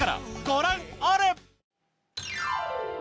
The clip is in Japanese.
ご覧あれ